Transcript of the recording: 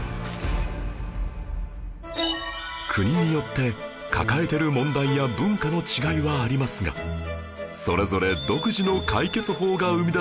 国によって抱えてる問題や文化の違いはありますがそれぞれ独自の解決法が生み出されています